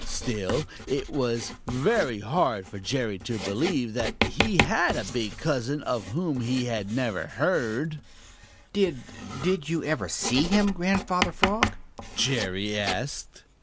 Still, it was very hard for Jerry to believe that he had a big cousin of whom he had never heard. "Did did you ever see him, Grandfather Frog?" Jerry asked.